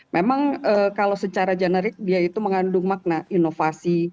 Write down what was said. memang kalau secara generik dia itu mengandung makna inovasi